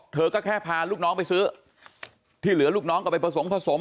เธอก็แค่พาลูกน้องไปซื้อที่เหลือลูกน้องก็ไปผสมผสม